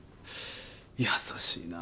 優しいな。